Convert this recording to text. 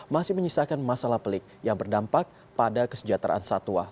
masih menyisakan masalah pelik yang berdampak pada kesejahteraan satwa